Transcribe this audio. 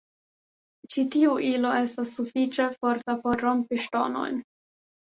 Ĉi tiu ilo estas sufiĉe forta por rompi ŝtonojn.